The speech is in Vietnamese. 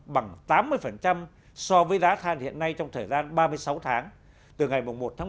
bằng tám mươi so với giá than hiện nay trong thời gian ba mươi sáu tháng từ ngày một bảy hai nghìn một mươi sáu